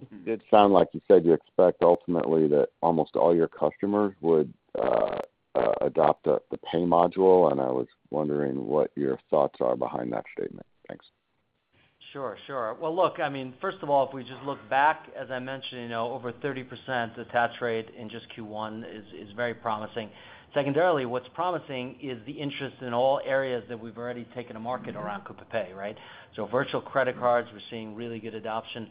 It did sound like you said you expect ultimately that almost all your customers would adopt the pay module, and I was wondering what your thoughts are behind that statement. Thanks. Sure. Well, look, first of all, if we just look back, as I mentioned, over 30% attach rate in just Q1 is very promising. What's promising is the interest in all areas that we've already taken to market around Coupa Pay. Virtual credit cards, we're seeing really good adoption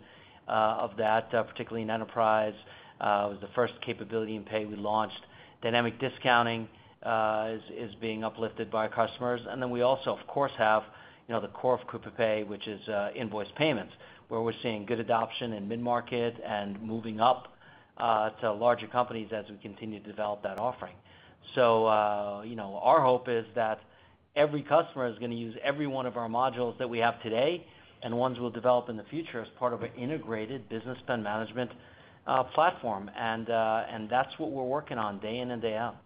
of that, particularly in enterprise. It was the first capability in Pay we launched. Dynamic discounting is being uplifted by customers. We also, of course, have the core of Coupa Pay, which is invoice payments, where we're seeing good adoption in mid-market and moving up to larger companies as we continue to develop that offering. Our hope is that every customer is going to use every one of our modules that we have today, and ones we'll develop in the future as part of an integrated Business Spend Management platform. That's what we're working on day in and day out.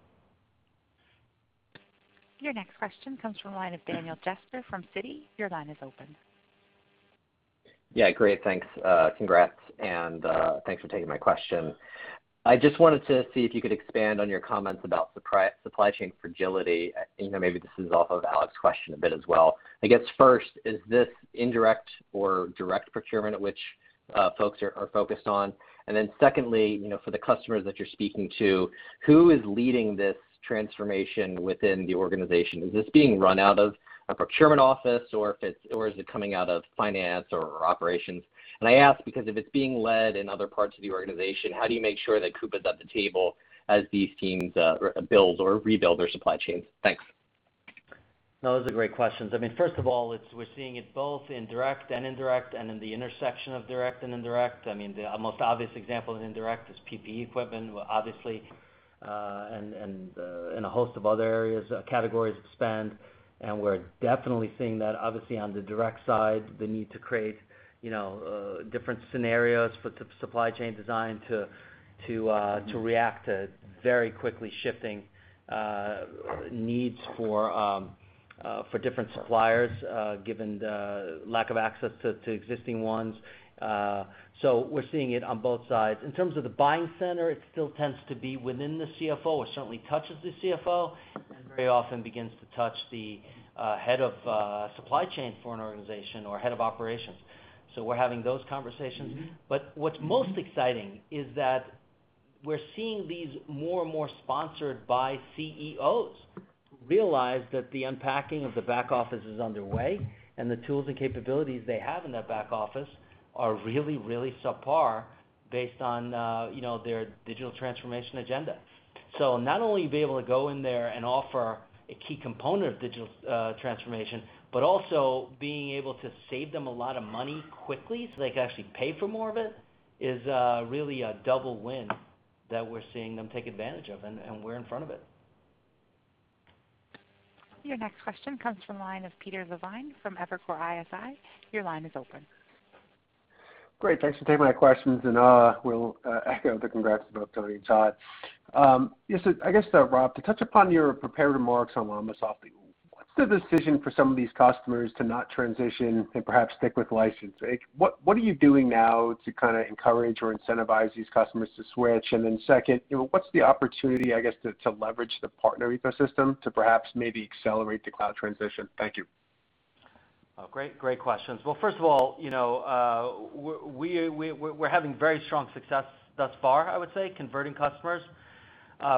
Your next question comes from the line of Daniel Jester from Citi. Your line is open. Great. Thanks. Congrats. Thanks for taking my question. I just wanted to see if you could expand on your comments about supply chain fragility. Maybe this is off of Alex's question a bit as well. I guess first, is this indirect or direct procurement which folks are focused on? Then secondly, for the customers that you're speaking to, who is leading this transformation within the organization? Is this being run out of a procurement office, or is it coming out of finance or operations? I ask because if it's being led in other parts of the organization, how do you make sure that Coupa's at the table as these teams build or rebuild their supply chains? Thanks. No, those are great questions. First of all, we're seeing it both in direct and indirect, and in the intersection of direct and indirect. The most obvious example of indirect is PPE equipment, obviously, and a host of other areas of categories of spend. We're definitely seeing that, obviously, on the direct side, the need to create different scenarios for supply chain design to react to very quickly shifting needs for different suppliers, given the lack of access to existing ones. We're seeing it on both sides. In terms of the buying center, it still tends to be within the CFO, or certainly touches the CFO, and very often begins to touch the head of supply chain for an organization or head of operations. We're having those conversations. What's most exciting is that we're seeing these more and more sponsored by CEOs who realize that the unpacking of the back office is underway, and the tools and capabilities they have in their back office are really subpar based on their digital transformation agenda. Not only being able to go in there and offer a key component of digital transformation, but also being able to save them a lot of money quickly so they can actually pay for more of it, is really a double win that we're seeing them take advantage of, and we're in front of it. Your next question comes from the line of Peter Levine from Evercore ISI. Your line is open. Great. Thanks for taking my questions. We'll echo the congrats to both Tony and Todd. I guess, Rob, to touch upon your prepared remarks on LLamasoft, what's the decision for some of these customers to not transition and perhaps stick with license? What are you doing now to encourage or incentivize these customers to switch? Then second, what's the opportunity, I guess, to leverage the partner ecosystem to perhaps maybe accelerate the cloud transition? Thank you. Great questions. Well, first of all, we're having very strong success thus far, I would say, converting customers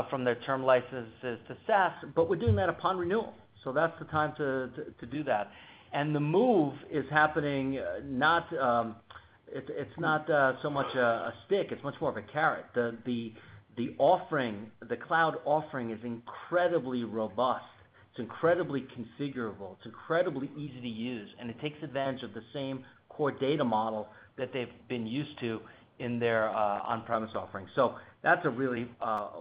from their term licenses to SaaS, but we're doing that upon renewal. That's the time to do that. The move is happening, it's not so much a stick, it's much more of a carrot. The cloud offering is incredibly robust. It's incredibly configurable. It's incredibly easy to use, and it takes advantage of the same core data model that they've been used to in their on-premise offering. That's a really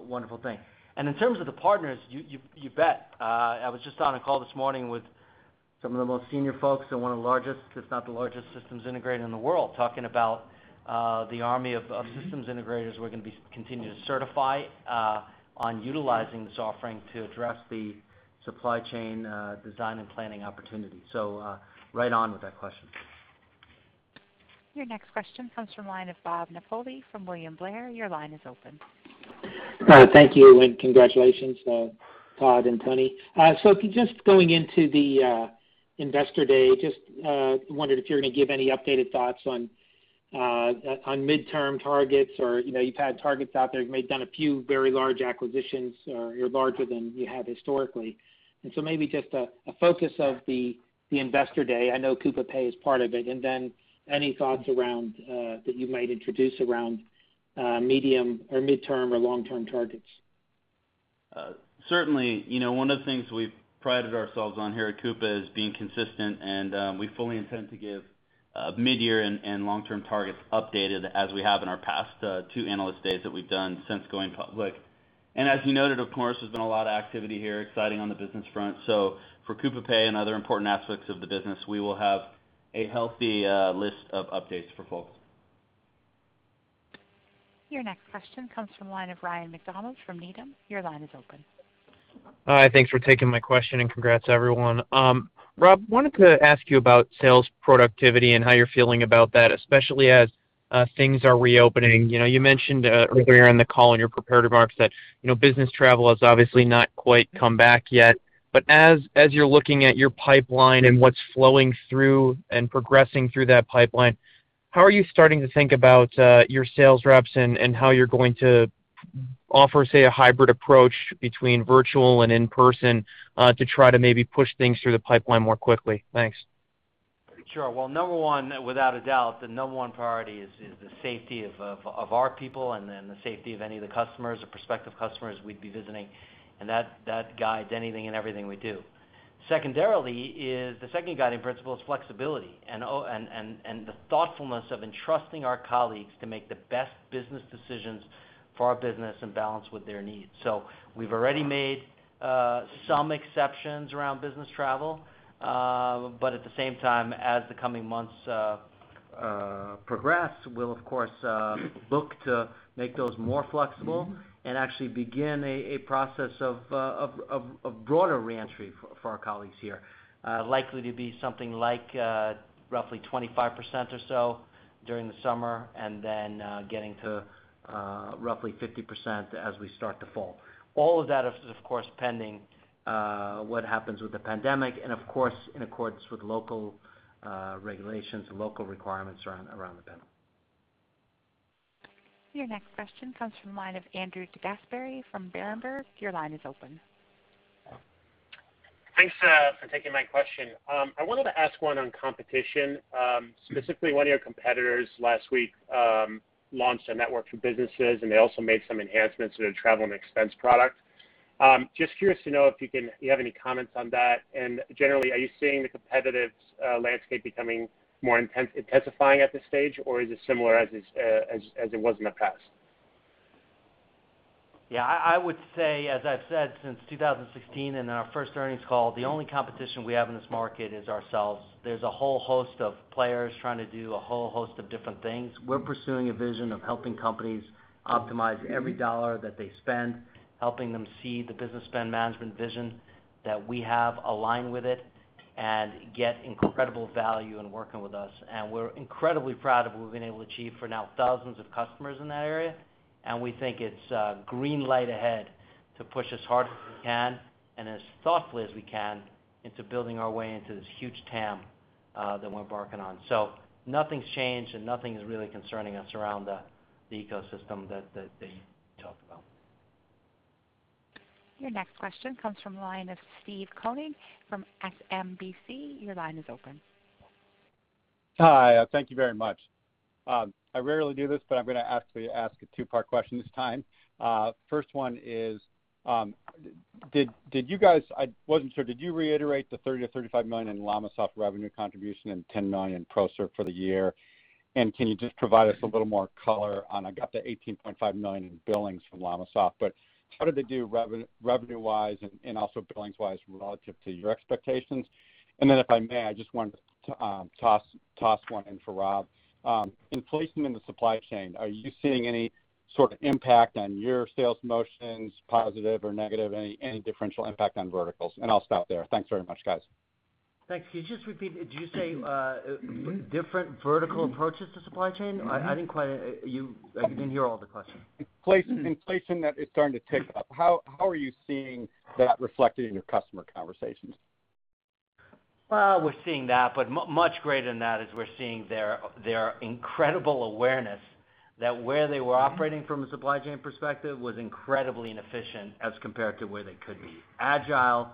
wonderful thing. In terms of the partners, you bet. I was just on a call this morning with some of the most senior folks at one of the largest, if not the largest systems integrator in the world, talking about the army of systems integrators we're going to continue to certify on utilizing this offering to address the supply chain design and planning opportunity. Right on with that question. Your next question comes from the line of Bob Napoli from William Blair. Your line is open. Thank you, congratulations to Todd and Tony. If you're just going into the investor day, just wondering if you're going to give any updated thoughts on midterm targets. You've had targets out there, you've made quite a few very large acquisitions, or larger than you have historically. Maybe just a focus of the investor day, I know Coupa Pay is part of it, and then any thoughts that you might introduce around medium or midterm or long-term targets. Certainly. One of the things we've prided ourselves on here at Coupa is being consistent, and we fully intend to give mid-year and long-term targets updated as we have in our past two Analyst Days that we've done since going public. As you noted, of course, there's been a lot of activity here, exciting on the business front. For Coupa Pay and other important aspects of the business, we will have a healthy list of updates for folks. Your next question comes from the line of Ryan MacDonald from Needham. Hi, thanks for taking my question, and congrats, everyone. Rob, I wanted to ask you about sales productivity and how you're feeling about that, especially as things are reopening. You mentioned earlier in the call in your prepared remarks that business travel has obviously not quite come back yet. As you're looking at your pipeline and what's flowing through and progressing through that pipeline, how are you starting to think about your sales reps and how you're going to offer, say, a hybrid approach between virtual and in-person, to try to maybe push things through the pipeline more quickly? Thanks. Sure. Well, number one, without a doubt, the number one priority is the safety of our people and then the safety of any of the customers or prospective customers we'd be visiting. That guides anything and everything we do. Secondarily is, the second guiding principle is flexibility and the thoughtfulness of entrusting our colleagues to make the best business decisions for our business and balance with their needs. We've already made some exceptions around business travel. At the same time, as the coming months progress, we'll of course look to make those more flexible and actually begin a process of broader reentry for our colleagues here. Likely to be something like roughly 25% or so during the summer, and then getting to roughly 50% as we start the fall. All of that is of course pending what happens with the pandemic and of course, in accordance with local regulations and local requirements around the pandemic. Your next question comes from the line of Andrew DeGasperi from Berenberg. Your line is open. Thanks for taking my question. I wanted to ask one on competition. Specifically, one of your competitors last week launched a network for businesses, and they also made some enhancements to their travel and expense product. Just curious to know if you have any comments on that. Generally, are you seeing the competitive landscape becoming more intensifying at this stage, or is it similar as it was in the past? I would say, as I've said since 2016 in our first earnings call, the only competition we have in this market is ourselves. There's a whole host of players trying to do a whole host of different things. We're pursuing a vision of helping companies optimize every dollar that they spend, helping them see the Business Spend Management vision that we have aligned with it, and get incredible value in working with us. We're incredibly proud of what we've been able to achieve for now thousands of customers in that area. We think it's green light ahead to push as hard as we can and as thoughtfully as we can into building our way into this huge TAM that we're embarking on. Nothing's changed, and nothing's really concerning us around the ecosystem that you talked about. Your next question comes from the line of Steve Koenig from SMBC. Your line is open. Hi, thank you very much. I rarely do this, but I'm going to ask a two-part question this time. First one is, did you guys, I wasn't sure, did you reiterate the $30 million-$35 million in LLamasoft revenue contribution and $10 million pro serv for the year? Can you just provide us a little more color on, I got the $18.5 million in billings from LLamasoft, but how did they do revenue-wise and also billings-wise relative to your expectations? If I may, I just wanted to toss one in for Rob. Inflation in the supply chain, are you seeing any sort of impact on your sales motions, positive or negative, any differential impact on verticals and else out there? Thanks very much, guys. Thanks. Could you just repeat that? Did you say different vertical approaches to supply chain? I didn't hear all the question. Inflation that is starting to tick up. How are you seeing that reflected in your customer conversations? We're seeing that, but much greater than that is we're seeing their incredible awareness that where they were operating from a supply chain perspective was incredibly inefficient as compared to where they could be. Agile,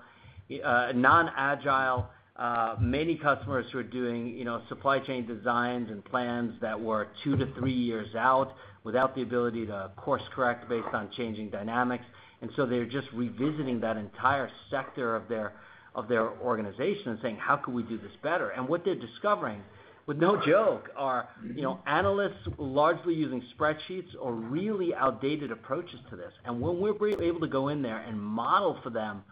non-agile, many customers who are doing supply chain designs and plans that were two to three years out without the ability to course-correct based on changing dynamics. They're just revisiting that entire sector of their organization and saying, "How can we do this better?" What they're discovering, with no joke, are analysts largely using spreadsheets or really outdated approaches to this. When we're able to go in there and model for them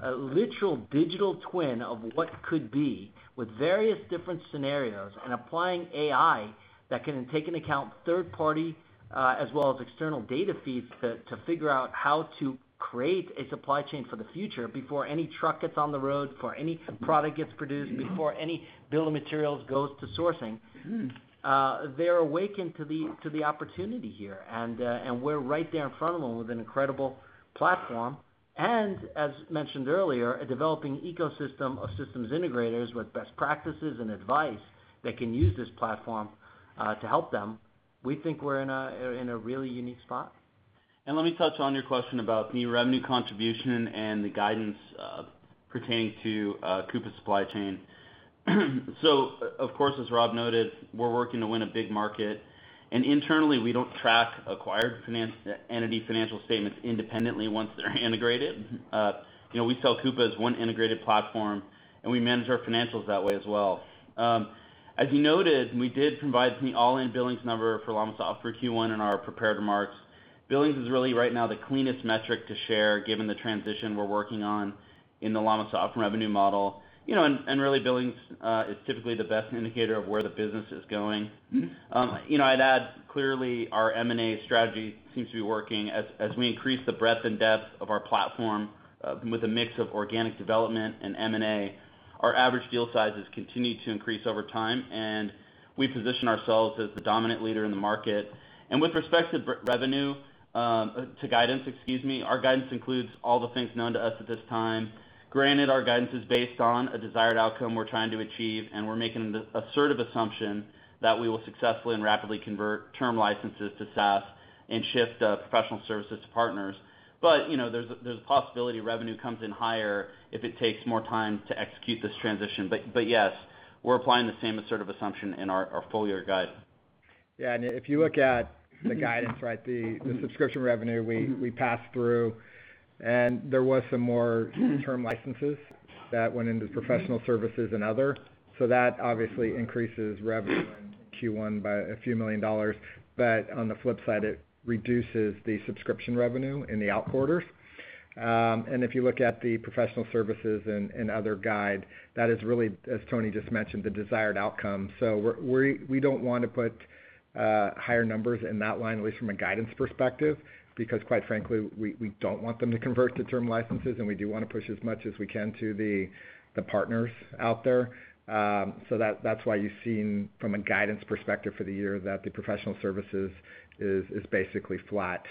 a literal digital twin of what could be with various different scenarios and applying AI that can take into account third party as well as external data feeds to figure out how to create a supply chain for the future before any truck gets on the road, before any product gets produced, before any bill of materials goes to sourcing, they're awakened to the opportunity here. We're right there in front of them with an incredible platform. As mentioned earlier, a developing ecosystem of systems integrators with best practices and advice that can use this platform to help them. We think we're in a really unique spot. Let me touch on your question about the revenue contribution and the guidance pertaining to Coupa Supply Chain. Of course, as Rob noted, we're working to win a big market, and internally, we don't track acquired entity financial statements independently once they're integrated. We sell Coupa as one integrated platform, and we manage our financials that way as well. As you noted, we did provide the all-in billings number for LLamasoft for Q1 in our prepared remarks. Billings is really right now the cleanest metric to share given the transition we're working on in the LLamasoft revenue model. Really, billings is typically the best indicator of where the business is going. I'd add, clearly our M&A strategy seems to be working. As we increase the breadth and depth of our platform with a mix of organic development and M&A, our average deal sizes continue to increase over time. We position ourselves as the dominant leader in the market. With respect to revenue, to guidance, excuse me, our guidance includes all the things known to us at this time. Granted, our guidance is based on a desired outcome we're trying to achieve, and we're making the assertive assumption that we will successfully and rapidly convert term licenses to SaaS and shift professional services to partners. There's a possibility revenue comes in higher if it takes more time to execute this transition. Yes, we're applying the same assertive assumption in our full-year guide. If you look at the guidance, the subscription revenue we passed through. There was some more term licenses that went into professional services and other. That obviously increases revenue in Q1 by a few million dollars. On the flip side, it reduces the subscription revenue in the out quarters. If you look at the professional services and other guide, that is really, as Tony just mentioned, the desired outcome. We don't want to put higher numbers in that line item from a guidance perspective, because quite frankly, we don't want them to convert to term licenses, and we do want to push as much as we can to the partners out there. That's why you've seen from a guidance perspective for the year that the professional services is basically flat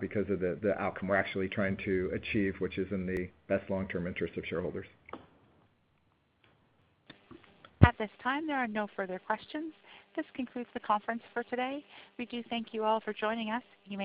because of the outcome we're actually trying to achieve, which is in the best long-term interest of shareholders. At this time, there are no further questions. This concludes the conference for today. We do thank you all for joining us.